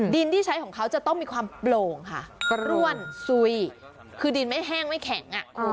ดินที่ใช้ของเขาจะต้องมีความโปร่งค่ะกร่วนซุยคือดินไม่แห้งไม่แข็ง